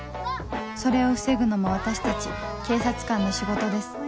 それを防ぐのも私たち警察官の仕事です